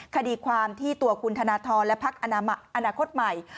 คดีความที่ตัวคุณธนทรและพักอนาคตใหม่